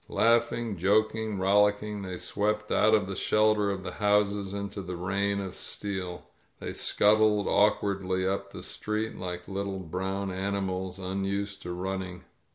•./' Laughing, joking, rollicking, they swept out of the shelter of the houses into the rain of steel. They scut tled awkwardly up the street, like little brown animals unused to running.